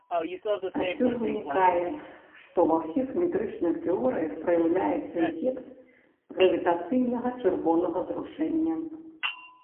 Адсюль вынікае, што, ва ўсіх метрычных тэорыях праяўляецца эфект гравітацыйнага чырвонага зрушэння.